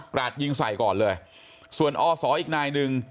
ราดยิงใส่ก่อนเลยส่วนอศอีกนายหนึ่ง